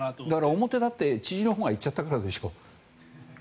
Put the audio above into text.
表立って知事のほうが言っちゃったからでしょう。